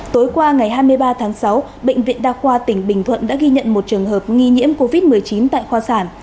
tối qua ngày hai mươi ba tháng sáu bệnh viện đa khoa tỉnh bình thuận đã ghi nhận một trường hợp nghi nhiễm covid một mươi chín tại khoa sản